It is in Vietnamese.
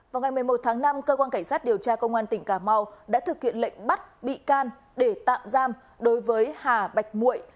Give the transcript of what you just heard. vào ngày một mươi một tháng năm cơ quan cảnh sát điều tra công an tỉnh cà mau đã thực hiện lệnh bắt bị can để tạm giam đối với hà bạch